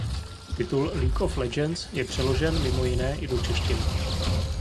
Titul League of Legends je přeložen mimo jiné i do češtiny.